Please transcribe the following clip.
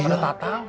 atau pada tatang